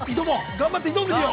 頑張って挑んでみよう。